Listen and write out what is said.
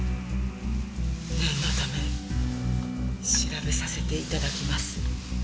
念のため調べさせて頂きます。